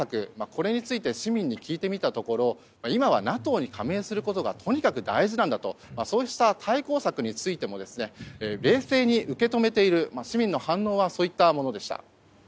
これについて市民に聞いてみたところ今はＮＡＴＯに加盟することがとにかく大事なんだとそうした対抗策についても冷静に受け止めている市民の反応はそういったものでした。